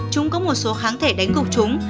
chúng có một số kháng thể đánh gục chúng